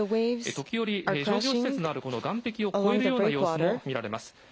時折、商業施設のあるこの岸壁を越えるような様子も見られます。